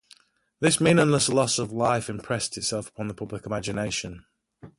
This meaningless loss of life impressed itself on the public imagination.